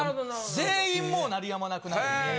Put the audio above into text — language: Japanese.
全員もう鳴り止まなくなるみたいな。